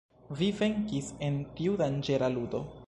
Vi venkis en tiu danĝera ludo.